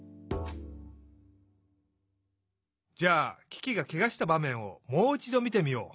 じゃあキキがケガしたばめんをもういちどみてみよう。